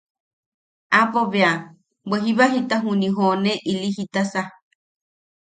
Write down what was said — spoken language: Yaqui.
Aapo bea bwe jita juni joʼone ili jitasa.